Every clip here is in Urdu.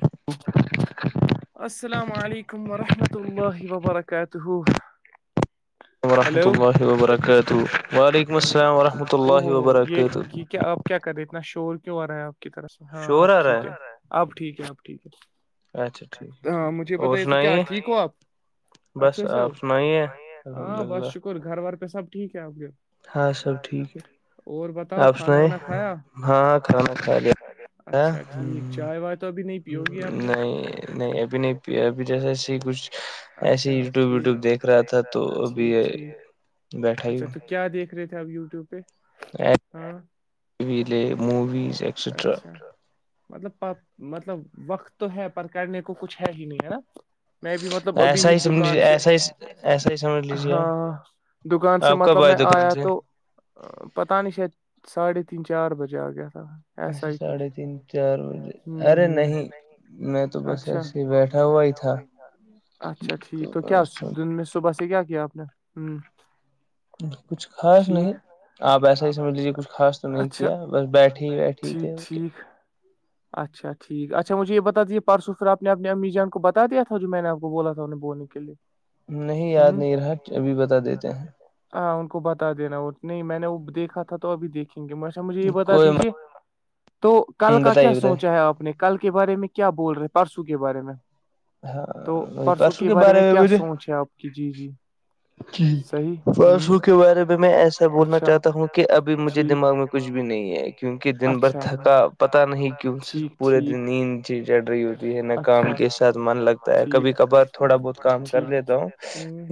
ا السلام علیکم ورحمۃ اللہ وبرکاتہ وورحمۃ اللہ وبرکاتہ وعلیکم السلام ورحمۃ اللہ وبرکاتہ کیا کر رہے اتنا شور کیوں آ رہا ہے آپ کی طرف سے ہاں اب ٹھیک ہے اب ٹھیک ہے اب ٹھیک ہے ہاں مجھے بتائیے تو کیا ٹھیک ہو آپ اچھے سے ہو ہاں بس شکر گھر وار پہ سب ٹھیک ہے آپ کے ہاں سب ٹھیک ہے آپ سنائیے ہاں کھانا کھا لیا کیا نہیں نہیں ابھی نہیں ابھی جیسے ایسے کچھ ایسے ہی یوٹیوب ویوٹیوب دیکھ رہا تھا تو ابھی بیٹھا ہی کیا دیکھے رہے تھے آپ یوٹیوب پہ ریلے موویز ایٹسٹرہ مطلب مطلب وقت تو ہے پر کرنے کو کچھ ہے ہی نہیں ہے نا میں بھی مطلب ابھی ہی دکان سے ہاں دکان سے مطلب میں آیا تو پتہ نہیں شاید ساڑھے تین چار بجے آگیا تھا اچھا ساڑھے تین چار بجے ارے نہیں میں تو بس ایسے ہی بیٹھا ہوا ہی تھا اچھا ٹھیک تو کیا دن میں صبح سے کیا کیا آپ نے کچھ خاص نہیں آپ ایسا ہی سمجھ لیجیے کچھ خاص تو نہیں کیا بس بیٹھے ہی بیٹھے ہی تھے اور کیا اچھا ٹھیک اچھا مجھے یہ بتا دیج یہ پرسوں پھرپ نے اپنے امی جان کو بتا دیا تھا جو میں نے آپ کو بولا تھا انہیں بولنے کے لیے نہیں یاد نہیں رہا ابھی بتا دیتے ہیں ہاں ان کو بتا دینا وہ نہیں میں نے وہ دیکا تھا تو ابھی دیکھیں گے میں چ مجھے یہ بتا دیجیے تو کل کا کیا سوچا ہے آپ نے کل کے بارے میں کیا بول رہے ہیں پرسوں کے بارے میں تو پرسوں کے بارے میں کیا سوچ ہے آپ کی جی جی ج پ سو کےے بارے میں ایسا بولنا چاہتا ہوں کہ ابھی مجھے دماغ میں کچھ بھی نہیں ہے کیونکہ دن بھر تھکا پتاہ نہیں کیوں پورے دن نیند چڑ رہی ہوتی ہے نہ کام کیس من لگتا ہے کبھی کبھار تھوڑا بہت کام کر لیتا ہوں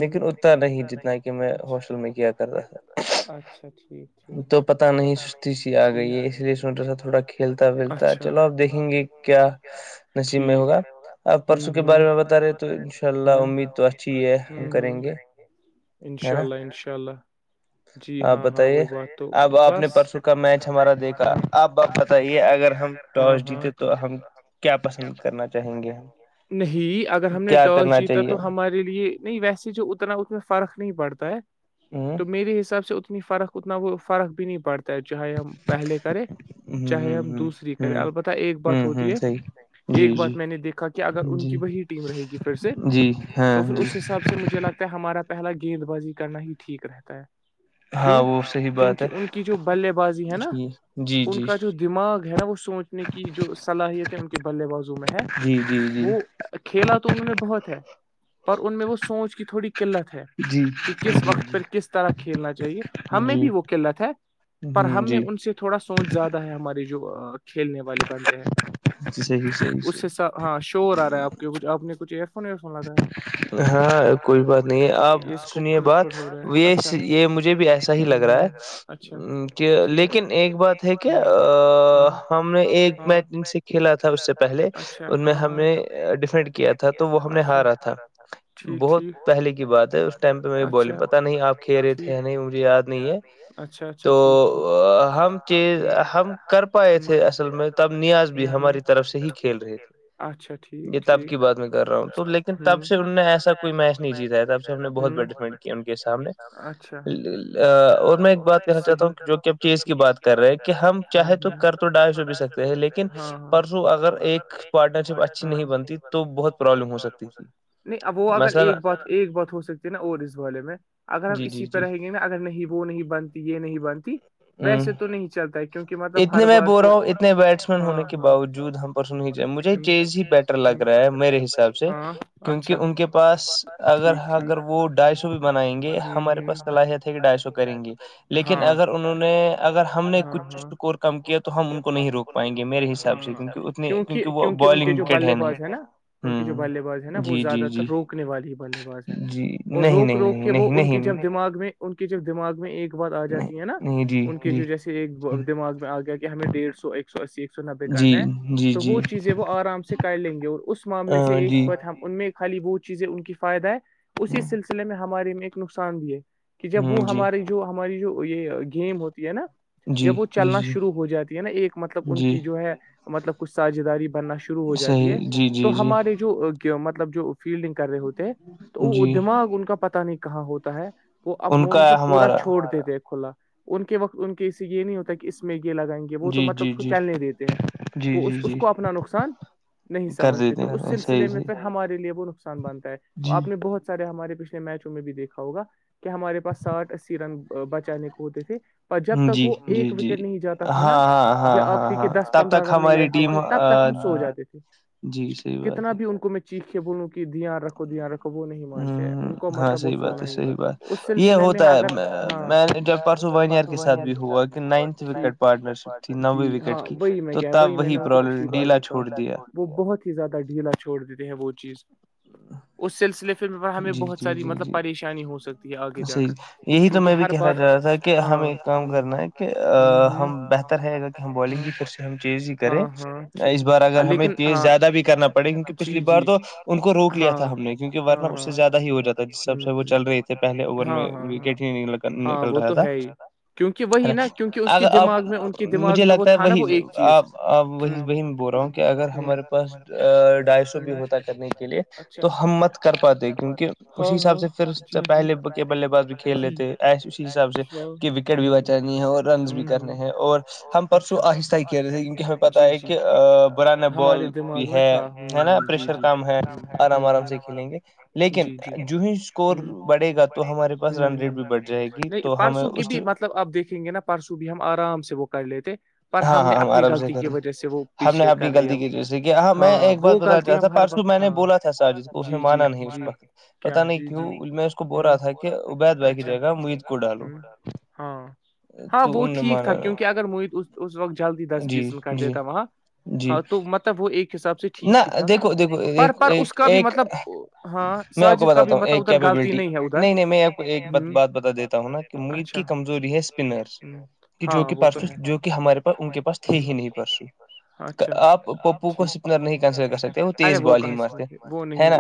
لیکن اتنا نہیں جتنا کہ میں ہاسٹل میں کیا رہا تھا تو پتا نہیں سستی سی آ گئی ہے اس لیے سن رہا تھا تھوڑا کھی کھیلتا ولتا چلو اپ دیکھیں گے کیا نصیب میں ہوگا اب پرسوں کے بارے میں بتا رہے تو ان شاء اللہ امید تو اچھی ہے ہم کریں گے ان شاء اللہ ان شاء اللہ جی ہاں ہاں وہ بات اب آپ نے پرسوں کا میچ ہمارا دیکھا اب بپ بتائیے اگر ہم ٹاس جیتے تو ہم کیا پسند کرنا چاہیں گے ہم نہیں اگر ہم نے ٹاس جیتا تو ہمارے لیے نہیں ویسے جو اتنا ات میں فرق نہیں پڑتا ہے تو میرے حساب سے اتنی فرق اتنا وہ فرق بھی نہیں پڑتا ہے چاہے ہم پہلے کرے چاہے ہم دوسری کریں البتہ ایک بات ہوتی ہے ایک بات میں نے دیکھا کہ اگر ان کی وہی ٹیم رہے گی پھر سے تو پھر اس حساب سے مجھے لگتا ہمارا پہلا گیند بازی کرنا ہی ٹھیک رہتا ہے کیوں کیونکہ ان کی جو بلے بازی ہے نا ان کا جو دماغ ہے نا وہ سوچ کی جو صلاحیتیں ان کے بلے بازوں میں ہے وہ کھیلا تو انہوں نے بہت ہے پر ان میں وہ سوچ کی تھوڑی قلت ہے کہ کس وقت پ کس کھیلنا چاہیے ہمیں بھی وہ قلت ہے پر ہمیں ان سے تھوڑا سوچ زیادہ ہے ہماری جو کھیلنے والے بندے ہیں اس ح س ہاں شور آا آپ کے کچھپ نے کچھ ایئر فون وئر فون لگا ہے ہاں کوئی بات نہیں آپ سنیے بات یہ مجھے بھی ایسا ہی لگ رہا ہے کہ لیکن ایک بات ٹھیک ہے ہم نے ایک میچن سے کھیلا تھا اس سے پہلے ان میں ہم نے ڈیفینڈ کیا تھا تو وہ ہم نے ہارا تھا تھا بہت پہلے کی بات ہے اس ٹائم پہ میں بھی بولی پتاہ نہیں آپ کو کھی رہے تھے نہیں مجھے یاد نہیں ہے تو ہم چز ہم کر پئے تھے اصل میں تب نیاز بھی ہماری طرف سے ہی کھیل رہے تھے اچھا ٹھیک یہ تب کی بات میں کر رہا ہوں تو لیکن تب سے انہ نے ایسا کوئی میچ نہیں جیتا ہے تب سے ان نے بہت بیٹمنٹ کی اور میں ایک بات کہنا چاہتا ہوں جو کہ اب چیز کی بات کر رہے کہ ہم چاہے تو کر تو ڈھائی سو بھی سکتے ہیں لیکن پرسو اگر ایک وار ٹچ اپ اچھی نہیں بنتی تو بہت پروابلم ہو سکتی تھی نہیں اب وہ اگر ایک بات ایک بات ہو سکتی ہے نا اور اس بارے میں اگر ہم اسی طرح ہی ہے نا اگر نہیں وہ نہیں بنتی یہ نہیں بنتی ویسے تو نہیں چلتا ہے کیونکہ مطلب ہر بار تو ہاں ہاں اور سن لیجئے مجھے چیز ہی بیٹر لگ رہا ہے میرے حساب سے کیونکہ ان کے پاس اگر اگر وہ ڈھائی سو بھی بنائی یں گے ہمارے پاس صلاحیت ہے کہ ہم ڈھائی سو کریں گے لیکن اگر انہوں نے اگر ہم نے کچھ اسکور کم کیا تو ہم ان کو نہیں روک پائیں گے میرے حساب سے کیونکہ اس کیونکہ وہ بالنگ کٹ ہے نہیں ہو جی جی جی جی نہیں نہیں نہیں کہ وہ ان کی جب دماغ میں ان کی جب دماغ میں ایک بات آ جاتی ہے نا ان کے جو جیسے ایک دماغ میں آ گیا کہ ہمیں ڈیڑھ سو ایک سو اسی ایک سو نبے کرنا ہے تو وہ چیزیں وہ آرام سے کر لیں گے اور اس معاملے سے ایک اوپر ہم ان میں خالی وہ چیزیں ان کی فائدہ ہے اسی سلسلے میں ہمارے ایک نقصان بھی ہے کہ جب وہ ہماری جو ہماری جو یہ گیم ہوتی ہے نا جب وہ چلنا شروع ہو جاتی ہے نا ایک مطلب ان کی جو ہے مطلب کچھ ساجھیداری بننا شروع شروع ہو جاتی ہے تو ہمارے جو مطلب جو فیلڈنگ کر رہے ہوتے ہیں تو وہ دماغ ان کا پتا نہیں کہاں ہوتا ہے وہ اب وہ مطلب پورا چھوڑ دیتے کھلا ان کے وقت ان کے سے یہ نہیں ہوتا کہ اس میں یہ لگائیں گے وہ تو مطلب اس کو چلنے دیتے ہیں وہ اس اس کو اپنا نقصان نہیں سمجھتے تو اس سلسلے میں پھر ہمارے لیے وہ نقصان بنتا ہے اپ نے بہت سارے ہمارے پچھلے میچ میں بھی دیکھا ہوگا کہ ہمارے پاس ساٹھ اسی رن بچانے کو ہوتے تھے جب تک وہ ایک وکٹ نہیں جاتا تھا نا جب آخری کے دس پندرہ رن نہیں رہتے تھے تب تک ہم سو جاتے جے جی صحیح بات ہے چیخ کے بولوں کی دھیان رکھو دھیان رکھو وہ نہیں مانتے ان کو مت وہ اس سلسلے میں اگر ہاںا نہیں کر پاتے جی ہاں وہی میں گیا وہی میں نے ان کو پچھلی بار بھی کہا وہ بہت ہی زیادہ ڈھیلا ہے چھوڑ دیتے ہیں وہ چیز اس سلسلے پھر ہمیں بہت ساری مطلب صحیح یہی تو میں بھی کہنا چاہ رہا تھا کہ ہمیں ایک کام کرنا ہے کہ ہم بہتر رہے گا کہ ہم بالنگ ہی پھر سے ہم چیز ہی کریں اس بار اگر ہمیں تیز زیادہ بھی کرنا پڑے کیونکہ پچھلی بار تو ان کو روک لیا تھا ہم نے کیونکہ ورنہ اس سے زیادہ ہی ہو جاتا سچ سب سے وہ چل رہی تھی پہلے اوور میں وکٹ ہی نہیں نکل رہا تھا ارے اگر اب مجھے لگتا ہے وہی آپ وہی وہی میں بول رہا ہوں کہ اگر ہمارے پاس ڈھائی سو بھی ہوتا کرنے کے لیے تو ہم مت کر پاتے کیونکہ اسی حساب سے پھر پہلے کے بلے باز بھی کھیل لیتے ایس اسی حساب سے کہ بیک وکٹ بھی اچھا نہیں ہے اور رنس بھی کرنے ہیں اور ہم پرسوں آہستہ ہی کھیلے تھے کیونکہ ہم پتا ہے کہ برانا بال بھی ہے ہے نا پریشر کم ہے آرام آرام سے کھیلیں گے لیکن جو ہی اسکور بڑھے گا تو ہمارے پاس رن ریڈ بھی بڑھ جائے گی تو ہمیں اس مطلب اپ دیکھیں گے نا پرسو بھی ہم آرام سے وہ کر لیتے ہاں ہاں ہم آرام سے کر لیں ہم نے آپ کی غلطی کی وجہ سے کیا ہاں میں ایک بات بتا تھا پرسو میں نے بولا تھا ساجد کو اس نے مانا نہیں اس وقت پتا نہیں کیوں میں اس کو بول رہا تھا کہ عبید بھائی کی جگہ موعید کو ڈالوں تو ان نے مانا نہ اس وقت جلدی دس بیسن کر دیتا وہاں ہاں تو مطلب وہ ایک حساب سے ٹھیک ہی تھا میں دیکھو پر پر اس کا بھی مطلب ہاں میں آپ کو بتاتا ہوں ایک کیپیبلٹی نہیں نہیں میں آپ کو ایک بات بتا دیتا ہوں نا کہ ا معید کی کمزوری ہے اسپنرس جو کہ پرسو جو کہ ہمارے پاس ان کے پاس تھے ہی نہیں پرسو آپ پپو کو ر نہیں کنسڈر کر سکتے وہ تیز بال ہی مارتے ہے نا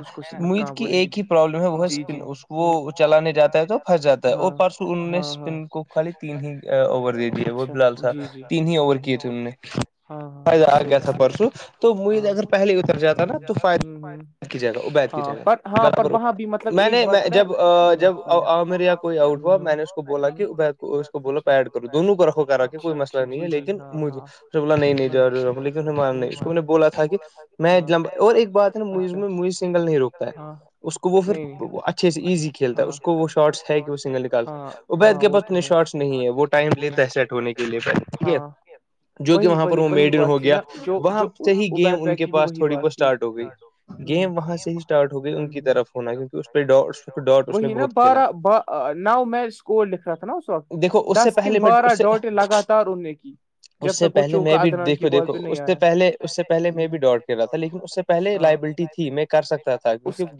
معید کی ایک ہی پروابلم ہے وہ ہے اسپن اس کو چلانے جاتا ہے تو پھنس جاتا ہے اور پرسوں انہوں نے اسپن کو خالی تین ہی اوور دے دیے وہ ب بلال سر تین ہی اوور کیے تھے ان نے فائدہ لار گیا تھا پرسو تو معید اگر پہلے ہی اتر جاتا نا تو فائز کی جگہ عبید کی جگہ برابر میں نے جب جب ع میر یا کوئی آؤٹ ہوا میں نے اس کو بولا کہ عبید اس کو بولو پیڈ کرو دونوں کو رکھو کر را کے کوئی مسلہ نہیں ہے لیکن بولا نہیں نہیں انہیں مار نہیں اس کو میں نے بولا تھا کہ میں لمبا اور ایک بات ہے معیز میں مویز سنگل نہیں روک ہاں اس کو وہ پھر اچھے سے ایزی کھیلتا ہے اس کو وہ شارٹس ہے کہ وہ سنگل نکال عبید کے پاس اتنے شارٹس نہیں ہے وہ ٹائم لیتا ہے سیٹ ہونے کے لیے پ ٹھیک ہے جو کہ وہاں پر وہ میڈن ہو گیا وہاں سے ہی گیم ان کے پاس تھوڑی بہت اسٹارٹ ہو گئی گیم وہاں سے ہی اسٹارٹ ہو گئی ان کی طرف ہونا کیونکہ اس پہ ڈ ڈاٹ اس نے بہت کھیلا کو لکھ رہا تھا نا اس وقت دس کن بارہ ڈاٹیں لگاتار انہوں نے کی اس سے پہلے میں بھی دیکھو دیکھو اس سے پہلے اس سے پہلے میں بھی ڈاٹ کھیل رہا تھا لیکن اس سے پہے لائبلٹی تھی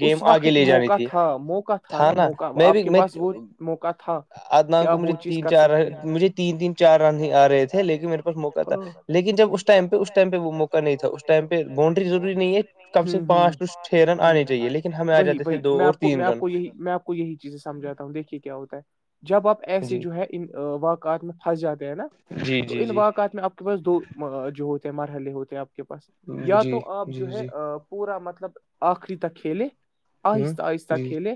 اس وقت موقع تھا موقع تھا نا موقع آپ کے پاس وہ موقع تھا آدنان کو مجھے تین چار مجھے تین تین چار رن ہی آ رہے تھے لیکن میرے پاس موقع تھا لیکن جب اس ٹائم پہ اس ٹائم پہ وہ موقع نہیں تھا اس ٹائم پہ باؤنڈری ضوری نہیں ہے کم سے کم پانچ ر ہے وہی وہی میں آپ کو میں آ کو یہی میں یہی چیزیں سمجھاتا ہوں دیکھیے کیا ہوتا ہے جب آپ ایسے جو ہے ان واقعات میں پھنس جاتے ہیں نا تو ان واقعات میں آپ کے پاس دو جو ہوتے ہیں مرحلے ہوتے ہیں آپ کے پاس یا تو آپ جو ہے پورا مطلب آخری تک کھیلے آہستہ آہستہ کھیلے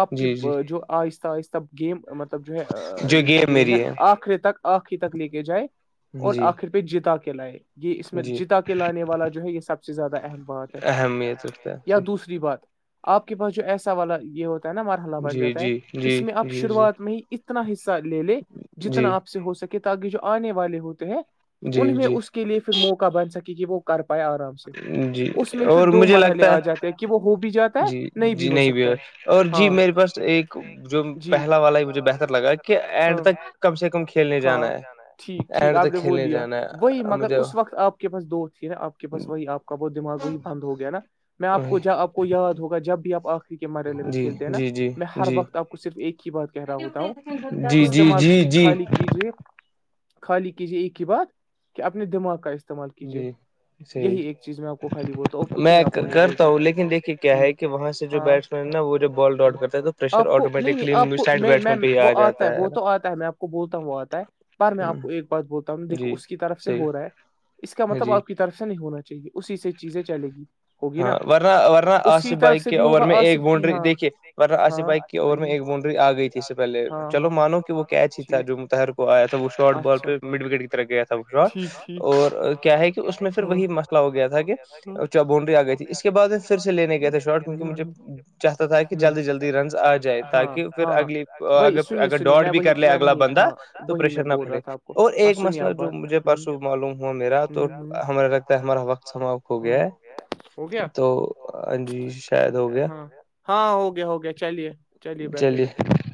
آپ کے جو آہستہ آہستہ گیم مطلب جو ہے ا یہ جو گیم ہے آخر تک آخر تک لے کے جائے اور آخر پہ جتا کے لائے یہ اس میں جتا کے لانے والا جو ہے یہ سب سے زیادہ اہم احمیت رکھتا ہے دوسری بات آپ کے پاس جو ایسا والا یہ ہوتا ہے نا مرحلہ بن جاتا ہے اس میں آپ شروعات میں ہی اتنا حصہ لے لے جتنا آپ سے ہو سکے تاکہ جو آنے والے ہوتے ہیں تو ان میں اس کے لیے پھر موقع بن سکے کہ وہ کر پائے آرام سے اس میں پھر دو مرحلے آ جاتے کہ وہ ہو بھی جاتا ہے نہیں بھی ہو سکتا ہے ہاں ج جو پہلا والا ہے مجھے بہتر لگا کہ اینڈ تک کم سے کم کھیلنے جانا ہے ٹھیک ٹھیک آپ نے وہ لیا وہی مگر اس وقت آپ آپ کے پاس دو تھی نا آپ کے پس وہی آپ کا بہت دماغ وہی بند ہو گیا نا آ پ کو یاد ہوگا جب بھی آپ آخری کے مرحلے میں کھیلتے ہیں نا میں ہر وقت آپ کو صرف ایک ہی بات کہہ رہا ہوتا ہوں استعمال کی خالی کیجیے خالی کیجے ایک ہی بات کہ اپنے دماغ کا اس استعمال کیجیے یہی ایک چیز میں آپ کو خالی بولتا ہوں اور کچھ ہی میں آپ کو کرتا ہوں لیکن دیکھیے کیا ہے کہ وہاں سے جو بیٹسمین ہے نا وہ جوب بال ڈؤٹ کرتا ہے تو آپ کو نہیں نہیں آپ کو میں میم وہ آتا ہے وہ تو آتا ہے میں آپ کو بولتا ہوں وہ آتا ہے پر میں آپ کو ایک بات بولتا ہوں دیکھو اس کی طرف سے ہو رہا ہے اس کا مطلب آپ کی طرف سے نہیں ہونا چاہیے اسی سے چیزیں چلے گی ہاں ورنہ ورنہ آصف بایی کے اوور میں ایک باؤنڈری دیکھیے ورنہ آصف بائی کے اوور میں ایک بانڈری آ گئی تھی اس سے پہلے چلو مانو کہ وہ کیچ ہی تھا جو متہر کو آیا تھا وہ شارٹ بال پہ مڈ وکٹ کی طرف گیا تھا اور کیا ہے کہ اس میں پھر وہی مسئلہ ہو گیا تھا کہ چبو [inaudible] آ گئی تھی اس کے بعد میں پھر سے لینے گیا تھا شارٹ کیونکہ مجھے چاہتا تھا کہ جلدی جلدی رنز آ جائے تاکہ پھر اگلی اگر اگر ڈاڈ بھی کر لے اگلا بندہ تو پریشر نہ پڑے اور ایک مسئلہ جو مجھے پرسوں معلوم ہوا میرا تو ہمارے لگتا ہے ہمارا وقت سما ہو گیا ہے ہو گیا ہاں ہاں ہو گیا ہو گیا چلیے چلیے بیٹھیے بیٹھیے